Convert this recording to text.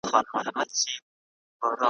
همدا به حال وي ورځ تر قیامته ,